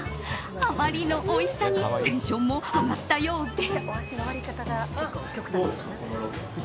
あまりのおいしさにテンションも上がったようで。